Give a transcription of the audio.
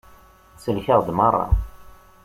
Tsellek-aɣ-d merra.